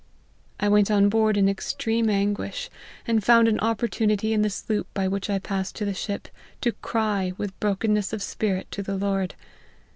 " I went on board in extreme anguish, and found an opportunity in the sloop by which I passed to the ship, to cry, with brokunness of spirit, to the Lord.